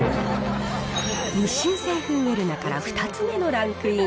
日清製粉ウェルナから２つ目のランクイン。